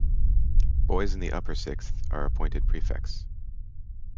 Boys in the upper sixth are appointed prefects.